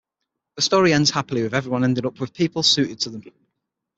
The story ends happily with everyone ending up with people suited to them.